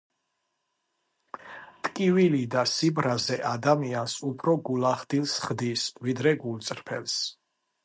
ტკივილი და სიბრაზე ადამიანს უფრო გულახდილს ხდის, უფრო გულწრფელს